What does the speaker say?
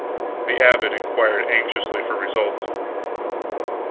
The abbot inquired anxiously for results.